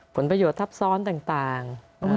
ผลประโยชน์ทับซ้อนต่าง